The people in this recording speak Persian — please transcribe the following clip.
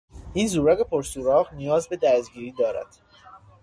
این زورق پر سوراخ نیاز به درزگیری دارد.